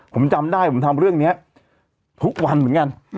ผมจำได้ผมทำเรื่องนี้ทุกวันเหมือนกัน